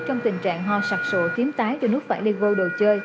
trong tình trạng ho sạc sổ kiếm tái đưa nước vải lên vô đồ chơi